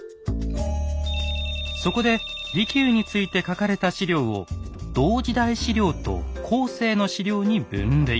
そこで利休について書かれた史料を「同時代史料」と「後世の史料」に分類。